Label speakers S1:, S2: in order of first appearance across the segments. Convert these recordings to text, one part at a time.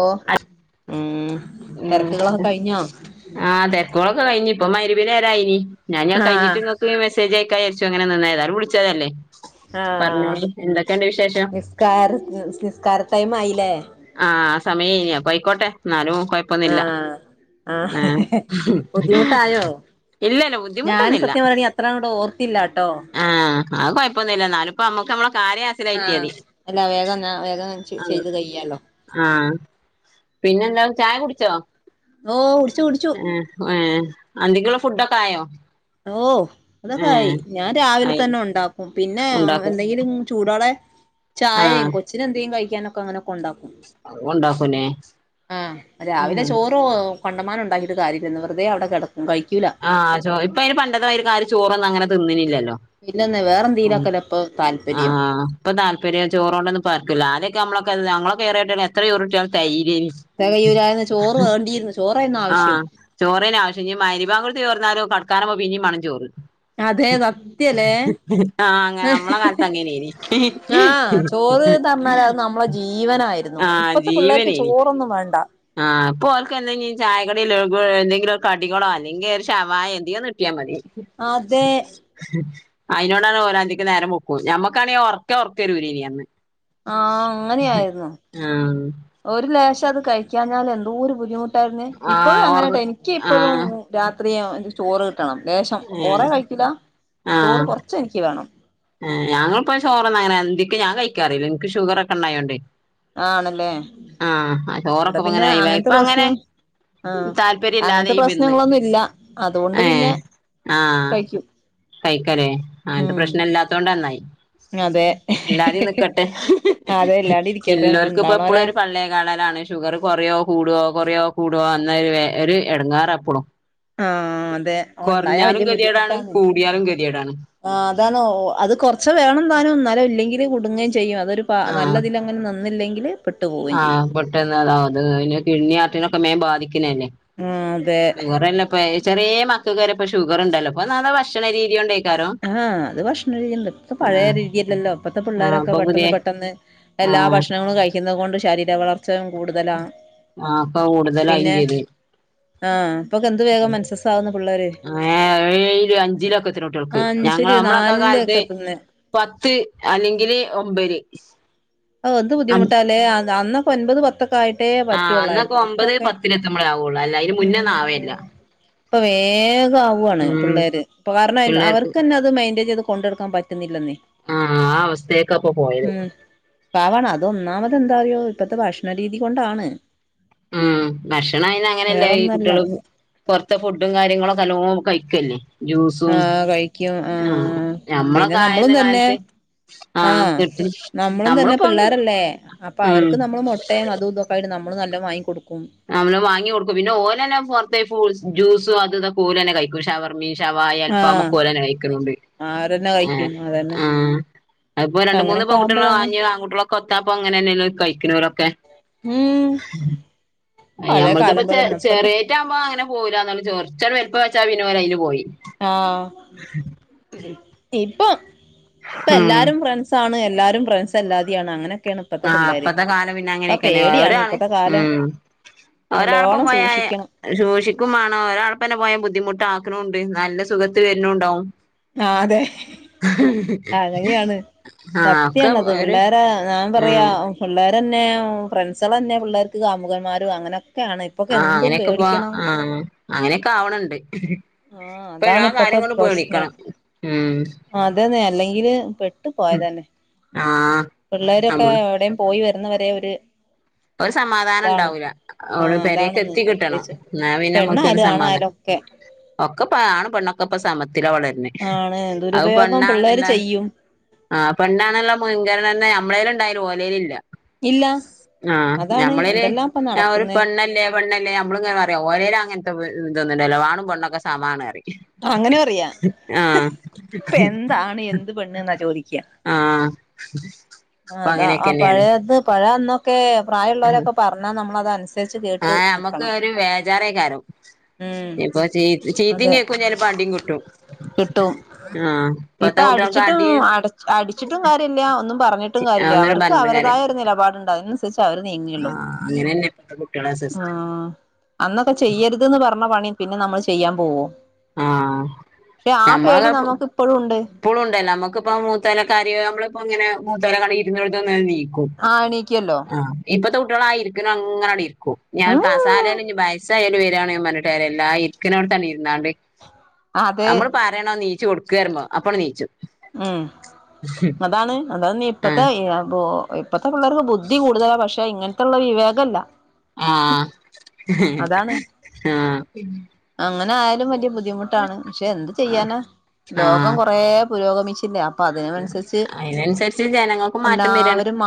S1: ഓ ഉം. തിരക്കുകളൊക്കെ കഴിഞ്ഞോ
S2: ഉംആഹ തെരക്കോളൊക്കെ കഴിഞ്ഞ് ഇപ്പൊ മഅ് രിബിന്റെ നേരായിനി. ഞാന്
S1: ആഹ്
S2: കഴിഞ്ഞിട്ട് നിങ്ങക്ക് മെസേജ് അയക്ക വിചാ‌രിച്ചു അങ്ങനെ നിന്ന് ഏതാലും വിളിച്ചതല്ലേ? പറഞ്ഞോളി എന്തൊക്കെയുണ്ട് വിശേഷം.
S1: കാർ നിസ്കാര ടൈം ആയില്ലേ?
S2: ആഹ് ആ സമയയ്നി അപ്പം ആയിക്കോട്ടെ എന്നാലും കോയ
S1: ആഹ് ആഹ് ബുദ്ധിമുട്ടായോ
S2: ഇല്ലല്ല
S1: ഞൻ
S2: ബുദ്ധിമുട്ടൊന്നുല്ല
S1: സത്യം പറയാണെ അത്ര ആണ്ട് ഓർത്തില്ലട്ടോ.
S2: ആ അത് കൊഴപ്പൊന്നുല്ല ന്നാലും അമ്മക്ക് നമ്മളെ കാര്യം അസിലായിട്ട്യായാമതി.
S1: വേഗംഇന്നാ വേഗം. ചെയ്ത് കയ്യാലോ.
S2: ആഹ് പിന്നെ എന്താ ചായ കുടിച്ചോ?
S1: ഓ കുടിച്ചു കുടിച്ചു.
S2: ഏ അന്തിക്ള്ള ഫുഡ ഒക്കെ ആയോ?
S1: ഓ അതൊക്കെ ആയി
S2: ഏഹ്
S1: ഞാൻ രാവിലെ
S2: ആയി
S1: തന്നെ ഉണ്ടാക്കും പിന്നെ
S2: ഉണ്ടാക്കും
S1: എന്തെങ്കിലും ചൂടോടെ
S2: ആഹ്
S1: ചായയും കൊച്ചിന് എന്തേലും കഴിക്കാനൊക്കെ അങ്ങനൊക്കെ ഉണ്ടാക്കും.
S2: ഉണ്ടാക്കുലേ
S1: ആ രാവിലെ ചോറ് കണ്ടമാനം ഉണ്ടാക്കിട്ട് കാര്യല്ലന്ന് വെറുതെ അവിടെ കിടക്കും കഴിക്കൂല.
S2: ആഹ് ചൊ ഇപ്പ അതിന് പണ്ടത്തെ മാരി ചോറന്നും അങ്ങനെ ആരും തിന്നിനില്ലല്ലോ?
S1: ഇല്ലന് വേറെ എന്തെലൊക്കെ ഇപ്പ താല്പര്യം.
S2: ആഹ് ഇപ്പ താൽപര്യം ചോറൊടൊന്നും ഇപ്പം ആർക്കുല്ല ആദ്യ ഒക്കെ നമ്മളക്കെ എത്ര ചോറ് കിട്ടിയാലും തേയിലെയ്ന്നി
S1: തെകയൂലായിരുന്നു ചോറ് വേണ്ടിയിരുന്നു ചോറാണ് ആവശ്യം.
S2: ചോറെയിന് ആവശ്യം ഇനി മരിബാ ങ്കുട്ത്ത് പോർന്നാലും കടക്കാനാ വുമ്പോ ഇനി മാണം ചോറ്.
S1: അതെ സത്യല്ലേ
S2: ആ അങ്ങ നമ്മളെ കാലത്ത് അങ്ങനേയിന്.
S1: ചോറ്ന്ന് പറഞ്ഞാൽ അത് നമ്മള ജീവനായിരുന്നു
S2: ആഹ്
S1: ഇപ്പത്തെ പിള്ളേർക്ക്
S2: ജീവനേനി
S1: ചോറൊന്നും വേണ്ട.
S2: ആഹ് ഇപ്പോ ഓൽക്ക് എന്തെങ്കിലും ചായ കടി ലഗു എന്തെങ്കിലും ഒരു കടികളോ അല്ലെങ്കിൽ ഒരു ശവായ എന്തെങ്കിലും കിട്ടിയാ മതി. [inaudible]
S1: അതെ
S2: അയിനോടാണ് ഓരന്തിക്ക് നേരം വെൾക്കും ഞമ്മക്കാണെങ്കി ഉറക്യാ ഉറക്കരുലൈന്ന് അന്ന്.
S1: ആ അങ്ങനെയായിരുന്നു
S2: ആഹ്
S1: ഒരു ലേശം അത് കഴിക്കാഞ്ഞാൽ എന്തോ ഒരു ബുദ്ധിമു ട്ടായി ഇപ്പോഴും
S2: ആഹ് ഒറ
S1: അങ്ങനെട്ടാ എനിക്ക് ഇപ്പോഴും
S2: ആഹ്
S1: രാത്രി എനിക്ക് ചോറ് കിട്ടണം ലേശം
S2: ഏഹ്
S1: കുറെ കഴികൂല്ല ചോറ് കുറച്ച് എനിക്ക് വേണം.
S2: ഞങ്ങൾപ്പോ ചൊർന്ന അങ്ങനെ അന്തിക്ക് ഞാ കഴിക്കാറില്ല ഇൻക്ക് ഷുഗറൊക്കെ ഉണ്ടായോണ്ട്.
S1: ആണല്ലേ
S2: ആഹ
S1: ഇവിടെ
S2: ചോറൊക്കെ
S1: പിന്നെ
S2: അങ്ങനെ ഒഴിവായി
S1: അങ്ങനത്തെ
S2: ഇപ്പ അങ്ങനെ.
S1: പ്രശ്നം ആഹ്
S2: താല്പര്യ
S1: അങ്ങനത്തെ
S2: ഇല്ലാതെയായി വന്ന്
S1: പ്രശ്നങ്ങളൊന്നും ഇല്ല അതുകൊണ്ട്
S2: ഏ.
S1: പിന്നെ
S2: ആഹ്
S1: കഴിക്കും
S2: കഴിക്കലേ അങ്ങനത്തെ
S1: ഉം
S2: പ്രശ്നം ഇല്ലാത്തോണ്ട് നന്നായി.
S1: അതെ
S2: എല്ലാതീയിം നിക്കട്ടെ
S1: അതെ ഇല്ലാണ്ട് ഇരിക്കട്ടെ
S2: ഇല്ലോല്ക് ഇപ്പൊ എപ്പോളും
S1: ഉണ്ടാവണോലെ
S2: ഒരു പള്ളേ കാള ലാണ്. ഷുഗർ കുറയോ കൂടോ കൊറയോ കൂടോ അന്ന ഒരു എടങ്ങാറ എപ്പളും.
S1: ആ അതെ ഓ ഉണ്ടായാ
S2: കൊറഞ്ഞാലും
S1: വല്യ ബുദ്ധിമുട്ട
S2: ഗതികേടാണ് കൂടിയാലും കെത്യേടാണ്.
S1: ആ അതാണ് അത് കുറച്ച് വേണം താനും ഇന്നാല് അത് ഇല്ലെങ്കിൽ കുടുങ്ങുകയും ചെയ്യും അതൊരു
S2: ആഹ്
S1: നല്ലതിൽ അങ്ങനെ നി ഒന്നുല്ലെങ്കില്
S2: ആഹ് പെട്ടെന്ന് അതാ അത് പിന്നെ കിഡ്നി ഹാർട്ടിനൊക്കെ മേം ബാധിക്ക്‌നല്ലേ
S1: ഉം അതെ
S2: ഷുഗർല്ലേ ഇപ്പ ചെറേ മക്കൾക് വരേ ഇപ്പ ഷുഗർ ഉണ്ടല്ലോ ഇപ്പൊ നെ ഭക്ഷണ രീതി കൊണ്ടയ്
S1: ആഹ് അത് ഭക്ഷണ രീതികൊണ്ട് ഇപ്പൊ പഴയരിതി അല്ലല്ലോ അപ്പത്തെ
S2: ആഹ്
S1: പിള്ളോരൊക്കെ
S2: ഇപ്പൊ
S1: പെട്ടെന്ന്
S2: പുതിയ
S1: പെട്ടെന്ന്. എല്ലാ
S2: ആഹ്
S1: ഭക്ഷണങ്ങളും കഴിക്കുന്നത കൊണ്ട് ശരീര വള ച്ചയും കൂടുതലാ
S2: ആഹ് ഇപ്പൊ കൂടുതലായും
S1: പിന്നെ.
S2: ചെയ്ത്
S1: ആഹ പ്പൊക്ക എന്ത്തു വേഗം മനസ്സസ ആകുന്നു പിള്ളേര്.
S2: ഏ ഏ ഴിലുംഅഞ്ചിലൊക്കെ എത്ണ കുട്ടോൾക്ക് ഞങ്ങ
S1: അഞ്ചില്
S2: നമ്മളൊക്കെ കാലത്ത്
S1: നാലിലൊക്കെ എത്തുന്നെ
S2: പത്ത് അല്ലെങ്കില് ഒമ്പല്.
S1: എന്ത് ബുദ്ധിമുട്ടാലേ അന് ഒൻപത് പത്ത്. ആയിട്ടേ
S2: ആഹ് അന്നൊക്കെ
S1: പറ്റുള്ളായിരുന്നു
S2: ഒമ്പത്
S1: ഇപ്പൊക്കെ
S2: പത്തിലെത്തുമ്പോളേ ആവുള്ളൂ അല്ല അതിന്
S1: ഉം
S2: മുന്നൊന്നും ആവേല്ല
S1: ഇപ്പൊ വേഗം ആവാണ്
S2: ഉം
S1: പിള്ളേര് ഇപ്പ കാരണം
S2: പിള്ളേർക്ക്
S1: അവർകെന്നെ അത് മെയിന്റയിൻ ചെയ്ത് കൊണ്ടട്ക്കാൻ പറ്റുന്നില്ലന്നേ
S2: ആ ആ അവസ്‌ത്തേക്ക ഇപ്പൊ പോയത്
S1: പാവാണ് അതൊന്നാമത് എന്താറിയോ ഇപ്പത്തെ ഭക്ഷണരീതി കൊണ്ടാണ്
S2: ഉം ഭക്ഷണം അയ്ന് അങ്ങനെയല്ലേ ഈ കുട്ടിയാള്
S1: വേറൊന്നല്ല
S2: പുറത്തെ ഫുഡും കാര്യങ്ങളൊക്കെ നല്ലോം കഴിക്കല്ലേ ജ്യൂസും
S1: ആ കഴിക്കും ആ
S2: ആഹ്
S1: പിന്നെ
S2: ഞമ്മളൊക്കെ
S1: നമ്മളും
S2: ആയിരുന്ന
S1: തന്നെ
S2: കാലത്ത്
S1: ആ
S2: ആഹ് കിട്ടി
S1: നമ്മളും തന്നെ
S2: നമ്മളിപ്പോ
S1: പിള്ളാരല്ലേ അപ്പൊ
S2: ഉം
S1: അവർക്ക് നമ്മൾ മുട്ടയും അതും ഇതൊക്കെ അപ്പ അയ്‌ന് നമ്മളും നല്ലം വാങ്ങി കൊടുക്കും
S2: നമ്മള് വാങ്ങി കൊടുക്കും പിന്ന ഓലന്നെ പൊറത്തെ ജൂസും അതും ഇതൊക്കെ ഓലന്നെ കഴിക്കും ഷവർ ഷവായ
S1: ആഹ്
S2: അൽഫാമൊക്കെ ഓലന്നെ കഴിക്കുന്നുണ്ട്
S1: അവരന്നെ
S2: ആ
S1: കഴിക്കും അതന്നെ
S2: ആ അപ്പോ രണ്ട് മൂന്ന്
S1: അങ്ങനെയൊക്കെ ആവുമ്പോഴാണ്
S2: പെൺകുട്ടികളും ഞ്ഞി ആൺകുട്ടികളും കൊത്താപ്പം അങ്ങനെന്നെ എല്ലാരും കഴിക്കുന്നവരൊക്കെ
S1: ഉം പഴയ
S2: ഞമ്മളത്
S1: കാലം
S2: ഇപ്പോ
S1: പോലൊന്നും ഇപ്പത്തെ
S2: ചെറിയേറ്റ ആകുമ്പോ അങ്ങനെ പോവൂല എന്ന കുറച്ച് ആണ്ട് വല്പ്പം വെച്ചാ പിന്നെ ഓല് അയിന് പോയി
S1: ആ ഇപ്പൊ ഇപ്പ
S2: ഉം
S1: എല്ലാരും ഫ്രണ്ട്സ് ആണ് എല്ലാവരും ഫ്രണ്ട്സ് എല്ലാതിം ആണ് അങ്ങനൊക്കെയാണ്
S2: ആഹ് പ്പത്തെ കാലം പിന്നെ അങ്ങനെയൊക്കെന്നെ ഒരാണ്
S1: ഇപ്പത്തെ കാലം
S2: ഉം ഒരാളപ്പം
S1: നല്ലോണം
S2: പോയാല്
S1: സൂക്ഷിക്കണം
S2: ശൂഷിക്കും മാണം ഒരാൾപ്പന്നെ പോയാ ബുദ്ധിമുട്ട് ആക്ക്‌ണവും ഇണ്ട് നല്ല സുഖത്ത്ല് വര്ണവുണ്ടാവും
S1: ആ അതെ അങ്ങനെയാണ്
S2: ആഹ് ഒക്കെ
S1: സത്യാണത്
S2: ഒരു
S1: പിള്ളേരെ ഞാൻ പറയാ
S2: ആഹ്
S1: പിള്ളേരെന്നെ ഫ്രണ്ട്സാള് തന്നെ പിള്ളേർക്ക് കാമുകന്മാരും അങ്ങനെയൊക്കെയാണ്
S2: ആ അങ്ങനെയൊക്കെ പോവ ആ അങ്ങനെയൊക്കെ ആവണണ്ട്
S1: ആഹ്
S2: ഇപ്പ
S1: അതാണ്
S2: എല്ലാ
S1: ഇപ്പത്തെ
S2: കാര്യങ്ങളും
S1: പ്രശ്നം
S2: പേടിക്കണം ഉം
S1: അതന്നെ അല്ലെങ്കില് പെട്ടു പോയതന്നെ
S2: ആഹ്
S1: പിള്ളേരൊക്കെ
S2: നമ്മള്
S1: എവിടെയും പോയി വരുന്ന വരെ ഒരു
S2: ഒരു സമാധാനം
S1: ഇതാണ്
S2: ഉണ്ടാവൂല അവര്
S1: ആഹ്
S2: പെരീക്ക്
S1: അതാണെന്ന്
S2: എത്തി കിട്ടണം എന്നാ പിന്നെ നമുക്ക് ഒരു സമാധാനം
S1: കെ
S2: ഒക്കെ ഇപ്പൊ ആണും പെണ്ണൊക്കെ ഇപ്പ സമത്തിലാ വളര്ണെ
S1: ആണ്
S2: അത്
S1: ദുരുപയോഗം പിള്ളേര്
S2: പെണ്ണാണ്ന്ന്ള്ള
S1: ചെയ്യും
S2: ആഹ് പെണ്ണാണെന്നുള്ള മുൻകണന നമ്മളേല് ഇണ്ടായാലും ഓലേല് ഇല്ല
S1: ഇല്ല
S2: ആ
S1: അതാണ്
S2: ഞമ്മളില്
S1: എന്തെല്ലാം ഇപ്പ
S2: ഒരു
S1: നടക്കുന്നേ
S2: പെണ്ണല്ലേ പെണ്ണല്ലേ നമ്മള് ഇങ്ങനെ പറിം ഓലേയില് അങ്ങനത്തെ ഇതൊന്നും ഇല്ലല്ലോ ആണും പെണ്ണൊക്കെ സമാണ് പറിം
S1: അങ്ങനെ പറിയ ഇപ്പൊ എന്ത് ആണ് എന്ത് പെണ് എന്നാ ചോദിക്കാ
S2: ആ
S1: ആ അതാ ആ പഴയത് പഴെ അന്നൊക്കെ പ്രായുള്ളവരൊക്കെ പറഞ്ഞാ നമ്മളതനുസരി
S2: ആഹ് നമ്മക്ക് ഒരു വേജാറയ്കാരം
S1: ഉം
S2: ഇപ്പൊ ചീ ചീത്തയും
S1: അതെ
S2: കേക്കും ചെൽപം അടിം കിട്ടും
S1: കിട്ടും
S2: ആ
S1: ഇപ്പൊ അടിച്ചിട്ടും അടിച്ചിട്ടും കാര്യമില്ല ഒന്നും പറഞ്ഞിട്ടും കാര്യമില്ല
S2: അതൊന്നും
S1: അവർക്ക്
S2: പറഞ്ഞിട്ടും
S1: അവരുതായ
S2: കാര്യല്ല
S1: ക്കൊരു നിലപാട്ണ്ട് അതിനന്സര്ച്ചെ അവര് നീങ്ങേള്ളൂ
S2: ആഹ് അങ്ങനെന്നെ ഇപ്പത്തെ കുട്ടികളെ സിസ്റ്റം
S1: ആഹാ അന്നൊക്കെ ചെയ്യര്ത് പറഞ്ഞ പണി പിന്നെ നമ്മള് ചെയ്യാം പോവോ?
S2: ആഹ്
S1: പക്ഷെ ആ പേടി
S2: ഞമ്മളൊക്കെ
S1: നമുക്ക് ഇപ്പോഴും ഇണ്ട്
S2: ഇപ്പോഴും ഉണ്ടല്ലോ നമുക്ക്‌പ്പോ മൂത്തലൊക്കെ ആരെയ്ലും നമ്മളിപ്പോ ഇങ്ങനെ മൂത്തോല് കണ്ടാ ഇരുന്നോട്ത് ന്ന് എണീക്കും
S1: ആ എണീക്കല്ലോ
S2: ആ ഇപ്പത്തെ കുട്ടികളായിര്ക്ണങ്ങനെണ്ട് ഇരിക്കും
S1: ഉം
S2: കസാലേല് ഞ് ബയസ് വരിയാണെങ്കി പറഞ്ഞിട്ട് കാര്യല്ലാ ഇരിക്ക്‌ണോട്ത്താണ്ട് ഇര്ന്നാണ്ട്
S1: അതെ
S2: നമ്മള് പ യണം നീച്ചു കൊടുക്ക് പറിമ്പോ അപ്പോ ആണ്ട് നീച്ചും
S1: ഉം അതാണ് അതാണ് ഇപ്പത്തെ
S2: ആഹ്
S1: ഇപ്പത്തെ പിള്ളേർക്ക് ബുദ്ധി കൂട്തലാ പക്ഷെ ഇങ്ങൻത്തെള്ള വിവേകല്ല.
S2: ആഹ്
S1: അതാണ്
S2: ആഹ്
S1: അങ്ങനെ ആയാലും വല്ല്യ ബുദ്ധിമുട്ടാണ്, പക്ഷെ എന്ത് ചെയ്യാനാ? ലോകം കൊറേ പുരോഗമിച്ചില്ലേ അ
S2: അയ്നൻസരിച്ച് ജനങ്ങക്കും മാറ്റം വരാണ്
S1: എല്ലാവരും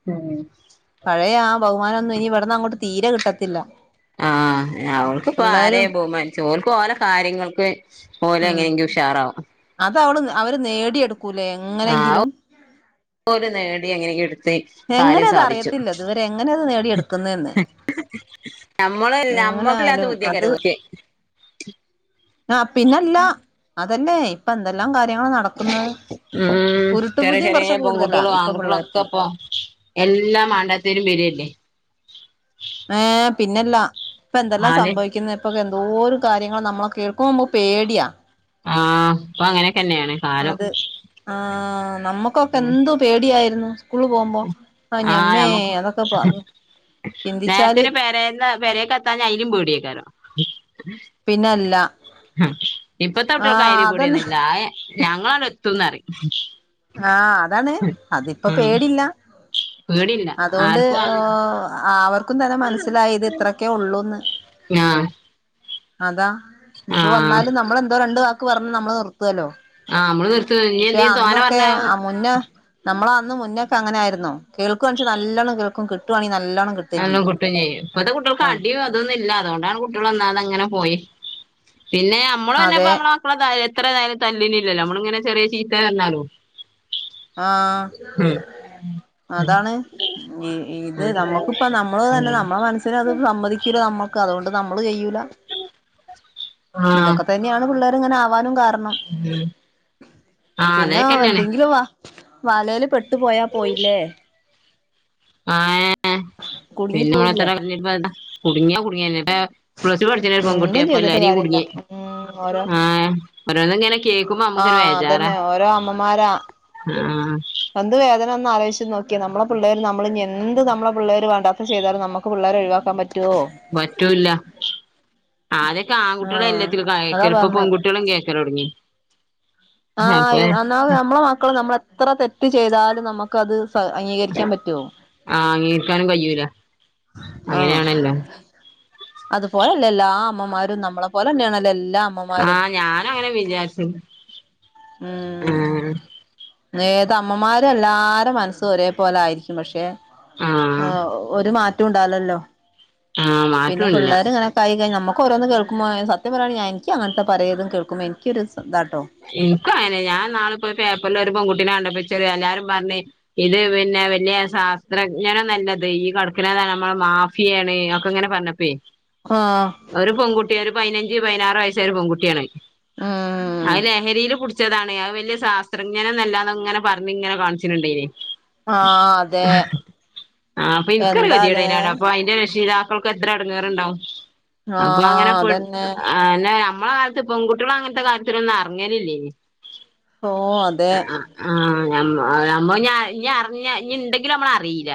S2: [inaudible]
S1: പഴയാ ആ ബഹുമാനം ഒന്നും ഇനി ഇവിടന്ന് അങ്ങോട്ട് തീരെ കിട്ടത്തില്ല.
S2: ആ അവൾക്ക്പ്പോ ആരെ
S1: പിള്ളേരും
S2: ബഹുമാനിച്ച് ഓൽക്ക് ഓലെ കാര്യങ്ങൾക്ക് പോലെ എങ്ങനെങ്കിലും ഉഷാറാവും
S1: അതവള് അവര് നേടിയെടുക്കൂലെ എങ്ങനെങ്കിലും
S2: ഓര് നേടി എങ്ങനെങ്കി ഇട്ത്ത്
S1: എങ്ങനെ
S2: കാര്യം
S1: അത്
S2: സാധിച്ചു.
S1: അറിയത്തില്ല ഇതുവരെ എങ്ങനെ അത് നേടിയെടുക്കുന്നന്ന്
S2: നമ്മള്ല്ല നമ്മക്ക്ല്ലാത്ത ബുദ്ധിയ [unintelligible]
S1: ആഹാ പിന്നല്ല അതന്നേ ഇപ്പാന്തെല്ലാം കാര്യങ്ങളാ നട
S2: ഉം ചെറെ ചെറെ
S1: കുറച്ച് കൂടുതലാ
S2: പെൺകുട്ടോളും
S1: ഇപ്പൊ
S2: ആൺകുട്ടിളൊക്കെ
S1: പിള്ളേർക്ക്
S2: ഇപ്പൊ എല്ലാ മാണ്ടാത്തേരും വര്ല്ലേ.
S1: ഏ പിന്നെല്ലാ ഇപ്പാ എന്തെല്ലാ
S2: ആദ്യം
S1: സംഭവിക്ക്ന്ന് ഇപ്പൊക്കെ എന്തോരം കാര്യങ്ങള നമ്മളൊ കേൾക്കുമ്പോ നമ്മക്ക് പേടിയാ
S2: ആഹ് ഇപ്പാ അങ്ങനെക്കെന്നെയാണ്.
S1: അത് ആഹ് നമ്മുക്കൊക്കെ എന്ത് പേടിയായിരുന്നു? സ്കൂള് പോകുമ്പോ
S2: ആഹ്
S1: അഞമ്മേ
S2: നമുക്ക്
S1: അതൊക്കെ പറ്
S2: നേരത്തിന് പേരെന്ന്‌ പെരെക്ക്ത്താന്ന് അയ്ലും പേടിയായ്ക്കാരം
S1: പിന്നല്ലാ
S2: ഹാ ഇപ്പത്തെ കുട്ട്യോൾക്ക് അയ്ല്
S1: അതന്നെ
S2: പേടിയൊന്നുല്ലാ ഞങ്ങളണ്ട് എത്തുംന്നറിം
S1: ആഹ് അതാണ് അതിപ്പാ
S2: ഉം
S1: പേടില്ല.
S2: പേടില്ല
S1: അതോണ്ട്
S2: ആർക്കും ആഹ്
S1: അവർക്കും തന്നെ മനസ്സിലായി ഇത് ഇത്രക്കെ ഒള്ളൂന്ന്.
S2: ഞാ
S1: അതാ ഇനിപ്പോ വന്നാലും നമ്മളെന്തോ രണ്ട് വാക്ക് പറഞ്ഞ് നമ്മള് നിർത്ത്ല്ലോ.
S2: ആഹ് നമ്മള് നിർത്തും ഇനി
S1: പക്ഷെ
S2: എന്തേലും തോനെ
S1: അന്നൊക്കെ
S2: പറഞ്ഞാ
S1: അ മുന്നേ നമ്മള് അന്ന് മുന്നേക്കെ അങ്ങനായിര്ന്നോ കേൾക്കുവാൺച്ച നല്ലണം കേൾക്കും കിട്ടാങ്കി നല്ലണം കിട്ടും
S2: നല്ലം കുറ്റം ചെയ്യും ഇപ്പത്തെ കുട്ടോൾക്ക് അടി അതൊന്നുംല്ല അതുകൊണ്ടാണ് കുട്ടോള് ഒന്നാത് അങ്ങനെ പോയെ പിന്നെ നമ്മള് തന്നിപ്പോ
S1: അതെ
S2: നമ്മളെ നമ്മളത് എത്രാതായാലും തല്ലില് ഇല്ലല്ലോ നമ്മള് ഇങ്ങനെ ചെറിയ ചീത്ത പറഞ്ഞാലും
S1: ആഹ്
S2: ഉം
S1: അതാണ് ഇത് നമ്മക്ക്പ്പ നമ്മള്
S2: ഉം
S1: ന്നല്ലാ
S2: ഉം
S1: നമ്മളെ മനസ്സിന് അത് സമ്മതിക്കുല്ല നമ്മ ക്ക് അതോണ്ട് നമ്മള് ചെയ്യൂല
S2: ആഹ്
S1: ഇതൊക്കെ തന്നെയാണ് പിള്ളേര്ങ്ങനെ ആവാനും കാരണം
S2: ഉം ആഹ്
S1: പിന്നെ
S2: അതേക്കെന്നെയാണ്
S1: എന്തെങ്കിലും വ വലെല് പെട്ട് പോയ പോയില്ലേ.
S2: അഹേ
S1: കുടുങ്ങി
S2: പിന്നെ മാത്ര
S1: പോയില്ലേ
S2: അറിഞ്ഞ്പ്പെന്താ കുടുങ്ങിയാ കുടുങ്ങിയന്നെ [unintelligible] പ്ലസ് ടു പഠിച്ച്ലെ ഒരു പെൺകുട്ടി
S1: എന്തും
S2: അപ്പൊ
S1: ചെയ്തിട്ട്
S2: ലഹരി
S1: കാര്യല്ല
S2: കുട്ങ്ങി
S1: ഉം ഓരോ
S2: ആഹ് ഓരോ കേക്കുമ്പോ അമ്മക്കൊരു
S1: ആഹ്
S2: വേജാറ
S1: അതന്നെ ഓരോ അമ്മമാരാ
S2: ആഹാ
S1: എന്ത് വേദനന്ന് ആലോയ്ച്ച് നോക്കിയ നമ്മള പിള്ളേര് നമ്മൾ എന്ത് നമ്മളെ പിള്ളേര് വണ്ടാത്ത ചെയ്താലും നമ്മ പിള്ളൊരെ ഒഴിവാക്കാൻ പറ്റോ?
S2: പറ്റൂല്ല. ആദ്യക്കെ ആൺകുട്ട്യോള
S1: ആഹ്
S2: എല്ലാത്തിലും
S1: അതാ
S2: കേൾക്ക ഇപ്പൊ
S1: പറഞ്ഞേ
S2: പെൺകുട്ട്യോളും കേക്കലോട്ങ്ങി.
S1: ആഹ് ഒന്നാമത് നമ്മളെ മക്കള് നമ്മള് എത്ര തെറ്റ് ചെയ്താലും നമ്മക്കത്
S2: ആഹ് അങ്ങികരിക്കാനും കയ്യുല അങ്ങനെയാണല്ലോ.
S1: അതുപോലെല്ലാ ആ അമ്മമാരും നമ്മളെ പോലന്നെയണല്ല എല്ലാ അമ്മമാ
S2: ആഹ് ഞാനങ്ങനെ വിചാരിച്ചു
S1: ഉം
S2: ആഹ്
S1: ഏതമ്മമാരെ എല്ലാരെ മനസ്സും ഒരേ പോലയിരിക്കും പക്ഷേ ആഹ് ഒരു മാറ്റും ഇണ്ടാവുലല്ലോ
S2: ആഹ്
S1: പിന്നെ
S2: മാറ്റമില്ല
S1: പിള്ളേരിങ്ങനെ [unintelligible] നമുക്കോരോന്ന് കേൾക്കുമ്പോ സത്യം പറയാണ് ഞാ ഇൻക് അങ്ങൻത്തെ പലേതും കേൾക്കുമ്പോ ഇൻക്കൊരിതാട്ടോ
S2: ഇൻക്കും അങ്ങനെ ഞാൻ ന്നാളിപ്പോ പേപ്പറിൽ ഒരു പെൺകുട്ടിനെ കണ്ടപ്പോ ഇച്ചരു എല്ലാരും പർഞ്ഞ് ഇത് പിന്നെ വല്യ സാസ്ത്രജ്ഞനൊന്നല്ലത് ഈ കട്ക്കണത് നമ്മളെ മാഫിയെണ് ഒക്കെങ്ങനെ പറഞ്ഞ പ്പെ
S1: ആഹ്
S2: ഒരു പെങ്കുട്ടി ഒരു പൈനഞ്ച് പൈനാറ് വയസായൊരു പെങ്കുട്ടിയാണ്
S1: ആഹ്
S2: അഹ് ലഹരില് പുടിച്ചതാണ് അഹ് വല്യ സാസ്ത്രജ്ഞനൊന്നല്ലാന്ന്ങ്ങനെ പർഞ്ഞ് ഇങ്ങനെ കാണിച്ചര്ണ്ടെനി
S1: ആഹ് അതെ
S2: ആഹ് അപ്പം ഇൻക്കൊരു കെധിയെട്
S1: എന്താലേ
S2: അയിനെ കണ്ട അപ്പൊ അയിന്റെ രക്ഷതാ ക്കൾക്ക് എത്ര എടങ്ങെറുണ്ടാവും അപ്പൊ അങ്ങനെ
S1: ആഹ്
S2: പെ
S1: അതന്നെ
S2: നമ്മളെ കാലത്ത് പെൺകുട്ടിയള് അങ്ങൻത്തെ കാര്യത്തിനെന്നും എറങ്ങേലില്ലേനി
S1: ഓ അതെ
S2: ആഹ് നമ്മ ഞമ്മ ഇഞ് അറിഞ്ഞ ഇഞ് ഇണ്ടെങ്കിലും ഞമ്മളറീല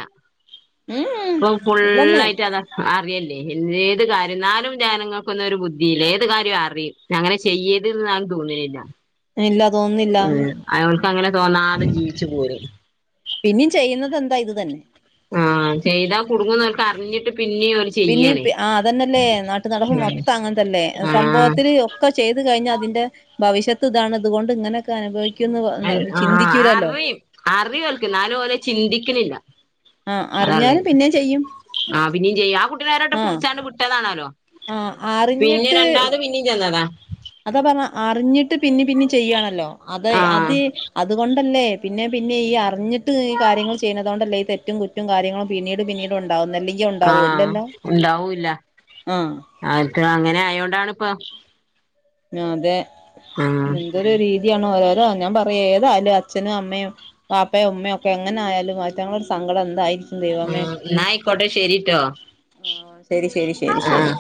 S1: ഉം
S2: ഇപ്പം
S1: ഇല്ലെന്നേ
S2: ഫുള്ളായിറ്റ് അതാ [unintelligible] ഏത് കാര്യം ന്നാലും ജനങ്ങൾക്കൊന്നും ഒരു ബുദ്ധിയില്ല ഏത് കാര്യം അറിം അങ്ങനെ ചെയ്യര്ത് ആ തോന്നലില്ല
S1: ഇല്ല തോന്നുന്നില്ല
S2: ഉം ഓൽക്ക് അങ്ങനെ തോന്നാതെ ജീവിച്ചു പോഴി
S1: പിന്നീം ചെയ്യുന്നതന്താ ഇത് തന്നെ
S2: ആഹ് ചെയ്താ കുടുങ്ങുന്നോൽക്കർഞ്ഞിട്ട് പിന്നി
S1: പിന്നീം ആ അതന്നെല്ലേ നാട്ട്നടപ്പ്
S2: ഉം
S1: മൊത്തം അങ്ങൻത്തല്ലേ സംഭവത്തില്
S2: ആഹ്
S1: ഒക്കെ ചെയ്തു കഴിഞ്ഞാ അതിന്റെ ഭവിഷത്ത് ഇതാണ്തുകൊണ്ട് ഇങ്ങനെക്കെനുഭവി [unintelligible] ചിന്തിക്കൂലല്ലോ
S2: അറിയൊൽക്ക് ന്നാലും ഓല് ചിന്തിക്ക്ണില്ല
S1: ആഹ് അറിഞ്ഞാലും പിന്നെം ചെയ്യും
S2: ആഹ് പിന്നീം ചെയ്യ ആ കുട്ടിയളെ ഒരട്ടം
S1: ആഹ്
S2: പുട്ച്ചാണ്ട് വിട്ടതാണാലോ
S1: ആഹ്
S2: പിന്നീം
S1: അറിഞ്ഞിട്ട്
S2: രണ്ടാമത് പിന്നിം ചെന്നതാ
S1: അതാ പർഞ്ഞെ അറിഞ്ഞിട്ട് പിന്നീം പിന്നീം ചെയ്യാണല്ലോ അത്
S2: ആ
S1: അത് അതുകൊണ്ടല്ലേ പിന്നെ പിന്നീംഈ അറിഞ്ഞിട്ട് ഈ കാര്യങ്ങൾ ചെയ്യുന്നതോണ്ടല്ലേ ഈ തെറ്റും കുറ്റം [unintelligible] കാര്യങ്ങളും പിന്നീട് പിന്നീട് ഉണ്ടാവകുന്നല്ലേ
S2: ആഹ് ഉണ്ടാവൂല്ല
S1: ആഹ്
S2: അരിക് അങ്ങനെ ആയോണ്ടാണിപ്പൊ
S1: അതെ
S2: ആ
S1: എന്തൊരു രീതിയാണോ ഞാൻ പറയെ ഏതായാലും അച്ഛനും അമ്മയും വാപ്പയോ ഉമ്മയൊക്കെ എങ്ങനെ ആയാലും അയിറ്റങ്ങളെ ഒരു സങ്കടം എന്തായി ദൈവമേ
S2: എന്നാ ആയിക്കോട്ടെ ശരിട്ടോ
S1: ആഹ് ശരി ശരി ശരി
S2: ആ
S1: ശരി